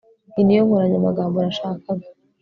iyi niyo nkoranyamagambo nashakaga